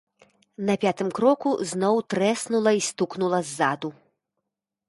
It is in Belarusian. На пятым кроку зноў трэснула і стукнула ззаду.